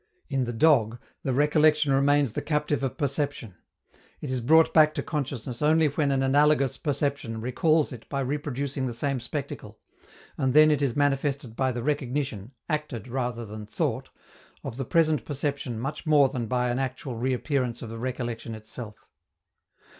In the dog, the recollection remains the captive of perception; it is brought back to consciousness only when an analogous perception recalls it by reproducing the same spectacle, and then it is manifested by the recognition, acted rather than thought, of the present perception much more than by an actual reappearance of the recollection itself.